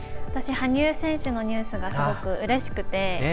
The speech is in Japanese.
羽生選手のニュースがすごく、うれしくて。